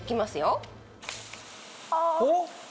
おっ！